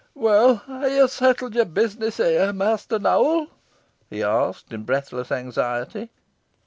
"Weel, han yo settled your business here, Mester Nowell?" he asked, in breathless anxiety.